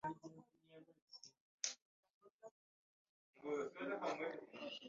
Bw'aba muwanvu oyo temuleeta.